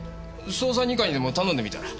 捜査二課にでも頼んでみたら？